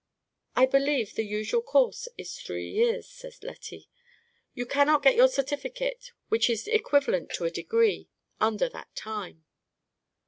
"I believe the usual course is three years," said Lettie. "You cannot get your certificate, which is equivalent to a degree, under that time."